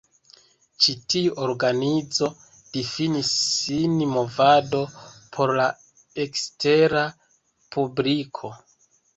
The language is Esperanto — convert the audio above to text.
Ĉi tiu organizo difinis sin movado por la ekstera publiko.